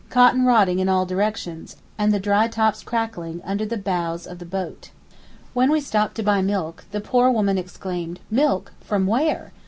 Cotton rotting in all directions and the dry tops crackling under the bows of the boat. When we stopped to buy milk, the poor woman exclaimed: 'Milk! from where?